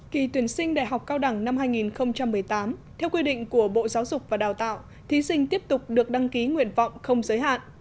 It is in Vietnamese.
kỳ tuyển sinh đại học cao đẳng năm hai nghìn một mươi tám theo quy định của bộ giáo dục và đào tạo thí sinh tiếp tục được đăng ký nguyện vọng không giới hạn